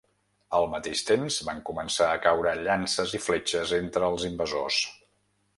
Al mateix temps, van començar a caure llances i fletxes entre els invasors.